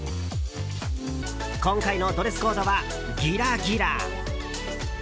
今回のドレスコードはギラギラ。